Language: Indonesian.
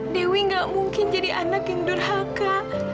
dewi gak mungkin jadi anak yang durhaka